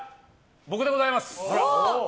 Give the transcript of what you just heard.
僕でございます。